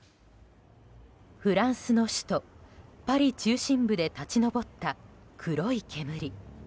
フランスの首都パリ中心部で立ち上った黒い煙。